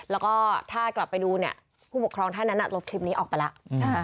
แล้วก็ถ้ากลับไปดูเนี่ยผู้ปกครองท่านนั้นลบคลิปนี้ออกไปแล้ว